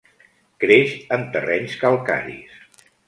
Creix en terrenys calcaris.